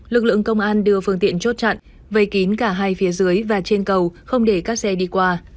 lực lượng công an đưa phương tiện chốt chặn vây kín cả hai phía dưới và trên cầu không để các xe đi qua